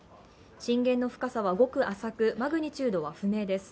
震源の深さはごく浅くマグニチュードは不明です。